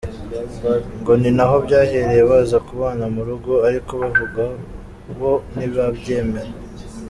Ngo ni naho byahereye baza kubana mu rugo, ariko abavugwa bo ntibabyemera.